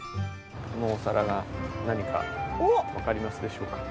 このお皿が何かわかりますでしょうか？